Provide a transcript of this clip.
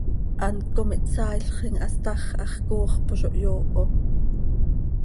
Hant com ihtsaailxim, hast hax hax cooxp oo zo hyooho.